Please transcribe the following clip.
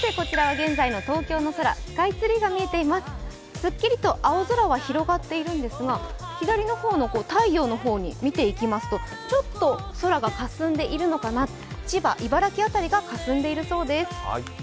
すっきりと青空は広がっているんですが、左の方の太陽の方見ていきますとちょっと空がかすんでいるのかな千葉、茨城辺りがかすんでいるそうです。